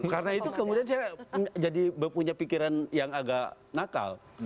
karena itu kemudian saya jadi punya pikiran yang agak nakal